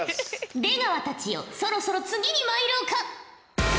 出川たちよそろそろ次にまいろうか。